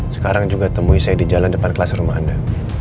sekarang juga temui saya di jalan depan kelas rumah anda